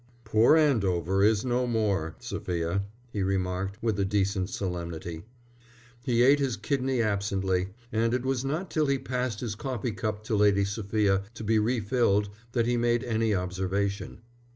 "Poor Andover is no more, Sophia," he remarked, with a decent solemnity. He ate his kidney absently, and it was not till he passed his coffee cup to Lady Sophia to be refilled that he made any observation.